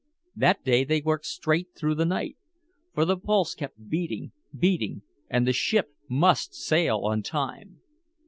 That day they worked straight through the night. For the pulse kept beating, beating, and the ship must sail on time!